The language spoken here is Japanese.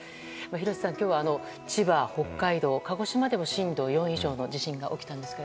廣瀬さん、今日は千葉、北海道、鹿児島でも震度４以上の地震が起きましたが。